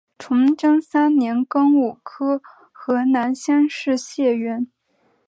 崇祯三年庚午科河南乡试解元。